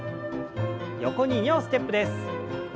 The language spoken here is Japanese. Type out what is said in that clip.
横に２歩ステップです。